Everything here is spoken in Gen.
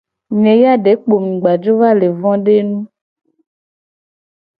Nye ya de kpo mu gba jo va le vo do enu.